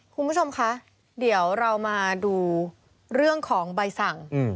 คุณผู้ชมคะเดี๋ยวเรามาดูเรื่องของใบสั่ง